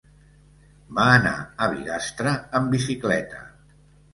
Va anar a Bigastre amb bicicleta.